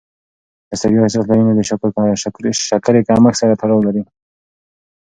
د ستړیا احساس له وینې د شکرې کمښت سره تړاو لري.